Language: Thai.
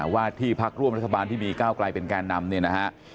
ว่าที่พักร่วมรัฐบาลที่มีก้าวไกลเป็นแกนนำเนี่ยนะฮะ